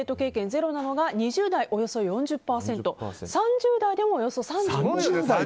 ゼロなのが２０代およそ４０％３０代でもおよそ３５％。